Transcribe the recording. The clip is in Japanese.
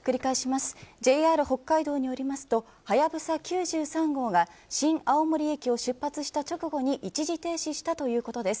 ＪＲ北海道によりますとはやぶさ９３号が新青森駅を出発した直後に一時停止したということです。